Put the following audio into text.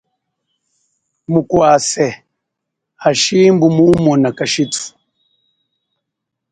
Mukwase, hashimbu mumona kashithu.